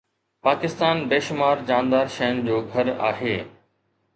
پاڪستان بيشمار جاندار شين جو گهر آهي